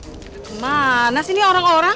kemana sih ini orang orang